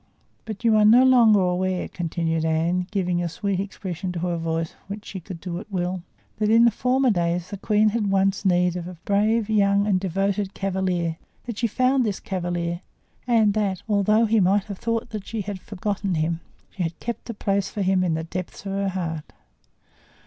"But are you no longer aware," continued Anne, giving that sweet expression to her voice which she could do at will, "that in former days the queen had once need of a young, brave and devoted cavalier—that she found this cavalier—and that, although he might have thought that she had forgotten him, she had kept a place for him in the depths of her heart?"